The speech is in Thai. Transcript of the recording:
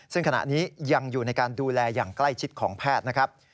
ซึ่งขณะนี้ยังอยู่ในการดูแลอย่างใกล้ชิดของแพทย์นะครับ